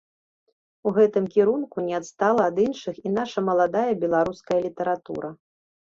У гэтым кірунку не адстала ад іншых і наша маладая беларуская літаратура.